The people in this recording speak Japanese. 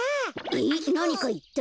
えっなにかいった？